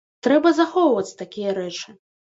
Трэба захоўваць такія рэчы.